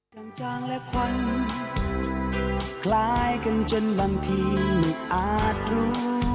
จางและควันคล้ายกันจนบางทีอาจรู้